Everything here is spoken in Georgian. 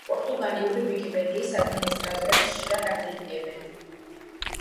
პორტუგალიურ ვიკიპედიის ადმინისტრატორებს ხშირად აკრიტიკებენ.